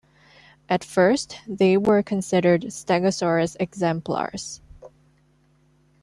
At first they were considered "Stegosaurus" exemplars.